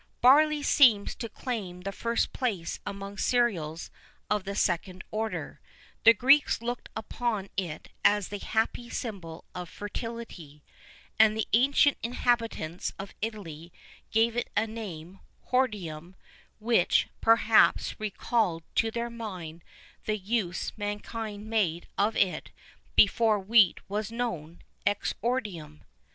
Barley seems to claim the first place among cereals of the second order; the Greeks looked upon it as the happy symbol of fertility,[V 3] and the ancient inhabitants of Italy gave it a name (hordeum) which, perhaps, recalled to their mind the use mankind made of it before wheat was known (exordium).